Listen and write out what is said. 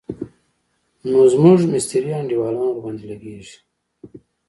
نو زموږ مستري انډيوالان ورباندې لګېږي.